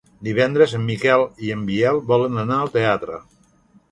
Divendres en Miquel i en Biel volen anar al teatre.